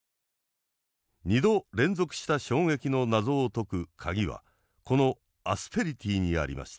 ２度連続した衝撃の謎を解く鍵はこのアスペリティにありました。